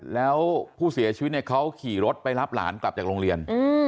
แล้วผู้เสียชีวิตเนี่ยเขาขี่รถไปรับหลานกลับจากโรงเรียน